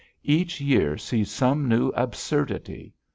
Each year sees some new absurdity.